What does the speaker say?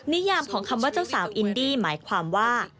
นิยามของคำว่าเจ้าสาวอินดี้หมายความว่า